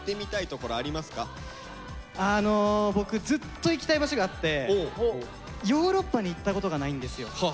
あの僕ずっと行きたい場所があってヨーロッパに行ったことがないんですよ。